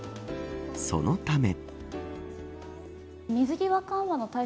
そのため。